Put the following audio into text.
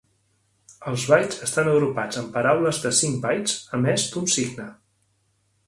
Els bytes estan agrupats en paraules de cinc bytes a més d'un signe.